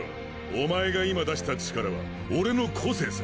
おまえが今出した力は俺の個性さ。